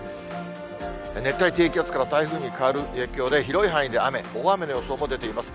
熱帯低気圧から台風に変わる影響で、広い範囲で雨、大雨の予想も出ています。